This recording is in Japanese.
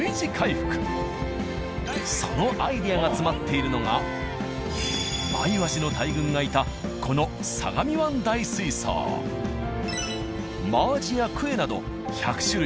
そのアイデアが詰まっているのがマイワシの大群がいたこのマアジやクエなど１００種類